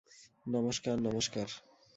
নমস্কার, নমস্কার।